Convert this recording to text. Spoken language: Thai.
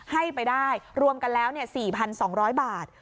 ให้ไปได้รวมกันแล้วเนี่ยสี่พันสองร้อยบาท